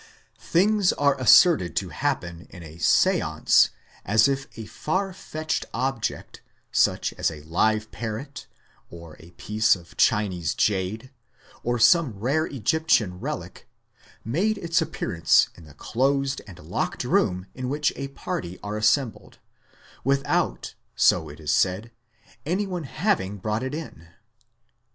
Things are asserted to happen in a seance as if a far fetched object, such as a live parrot or a piece of Chinese jade or some rare Egyptian relic made its appearance in the closed and locked room in which a party are assembled, without (so it is said) anyone having brought it in.